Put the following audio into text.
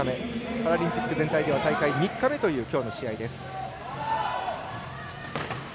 パラリンピック全体では大会３日目という、きょうの試合。